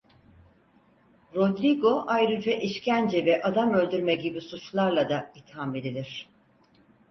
Rodrigo ayrıca işkence ve adam öldürme gibi suçlarla da itham edilir.